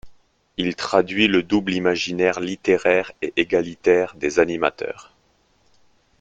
Il traduit le double imaginaire littéraire et égalitaire des animateurs.